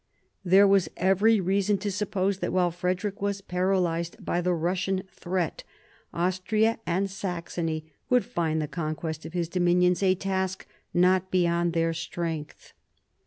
There was every reason to suppose that while Frederick was paralysed by the Russian threat, Austria and Saxony would find the conquest of his dominions a task not beyond their strength.